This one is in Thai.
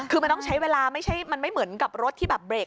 คือมันต้องใช้เวลาไม่เหมือนกับรถที่เบรก